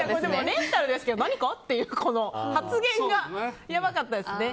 レンタルですけど何か？って発言がやばかったですね。